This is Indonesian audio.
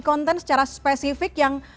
konten secara spesifik yang